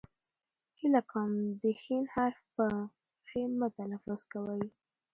هیله کوم د ښ حرف په خ مه تلفظ کوئ.!